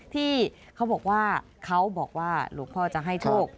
ที่เขาบอกว่าหลวงพ่อจะให้โชค